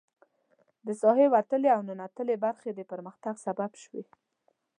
د ساحلي وتلې او ننوتلې برخې د پرمختګ سبب شوي.